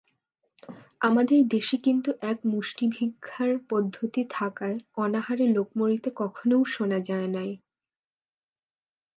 আমাদের দেশে কিন্তু এক মুষ্টিভিক্ষার পদ্ধতি থাকায় অনাহারে লোক মরিতে কখনও শোনা যায় নাই।